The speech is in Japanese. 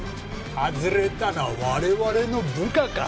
外れたら我々の部下か。